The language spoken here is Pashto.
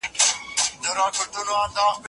هيواد ډېری قومونه او اقلیتونه تر خپل نفوذ لاندي